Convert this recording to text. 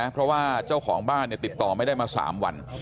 เนี่ยเพราะว่าเจ้าของบ้านเนี่ยติดต่อไม่ได้มาสามวันครับ